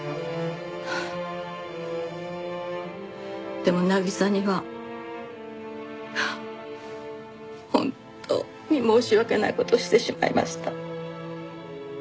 でも渚には本当に申し訳ない事をしてしまいました。